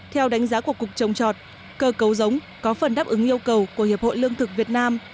theo đánh giá của cục trồng trọt cơ cấu giống có phần đáp ứng yêu cầu của hiệp hội lương thực việt nam